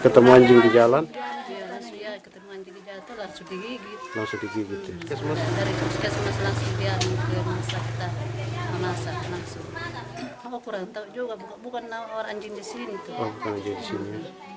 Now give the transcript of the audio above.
tidak usah sedikit sedikit ya